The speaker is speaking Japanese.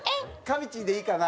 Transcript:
みちぃでいいかな？